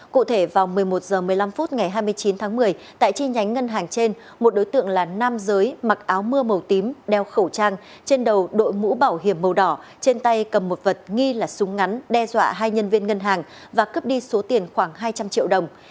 cụ thể vào một mươi một h một mươi năm phút ngày hai mươi chín tháng một mươi tại chi nhánh ngân hàng trên một đối tượng là nam giới mặc áo mưa màu tím đeo khẩu trang trên đầu đội mũ bảo hiểm màu đỏ trên tay cầm một vật nghi là súng ngắn đe dọa hai nhân viên ngân hàng và cướp đi số tiền khoảng hai trăm linh triệu đồng